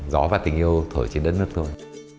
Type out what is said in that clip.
gió và tình yêu thổi trên đất nước thôi